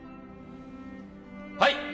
はい！